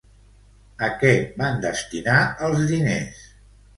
A què van destinar els diners?